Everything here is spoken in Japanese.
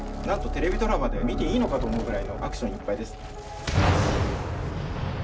なんとテレビドラマで見ていいのか？と思うくらいのアクションいっぱいです。